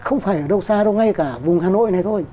không phải ở đâu xa đâu ngay cả vùng hà nội này thôi